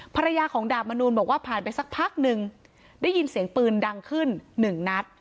ภรรยาของดาบมนูลบอกว่าผ่านไปสักพักหนึ่งได้ยินเสียงปืนดังขึ้นหนึ่งนัด